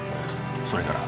それから。